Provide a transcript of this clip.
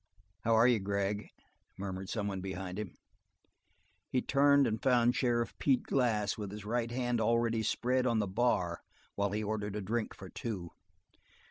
"How are you, Gregg?" murmured some one behind him. He turned and found Sheriff Pete Glass with his right hand already spread on the bar while he ordered a drink for two.